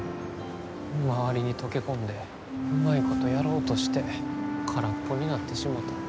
周りに溶け込んでうまいことやろうとして空っぽになってしもた。